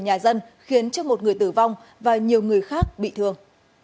nhà dân khiến cho một người tử vong và nhiều người khác bị thương